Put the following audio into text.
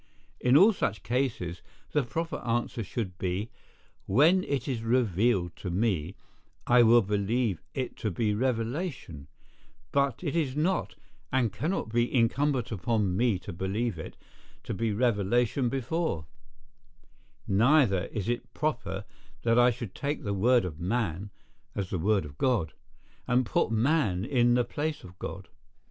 In all such cases, the proper answer should be, "When it is revealed to me, I will believe it to be revelation; but it is not and cannot be incumbent upon me to believe it to be revelation before; neither is it proper that I should take the word of man as the word of God, and put man in the place of God."